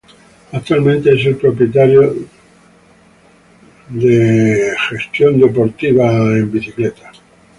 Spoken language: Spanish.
Actualmente es el propietario de Cycle Sport Management Inc.